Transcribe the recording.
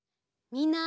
みんな！